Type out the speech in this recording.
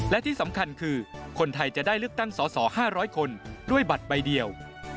และที่สำคัญคือคนไทยจะได้เลือกตั้งสอสอ๕๐๐คนด้วยบัตรใบเดียว